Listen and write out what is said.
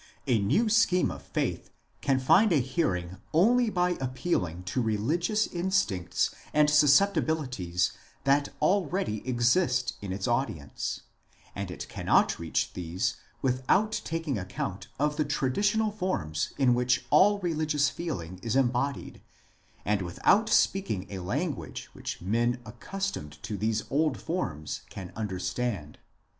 A new scheme of faith can find a hearing only by appealing to religious instincts and susceptibilities that already exist in its audience, and it cannot reach these without taking account of the tradi tional forms in which all religious feeling is embodied, and without speaking a language which men accustomed to these old forms can understand.